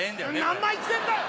何枚着てんだい！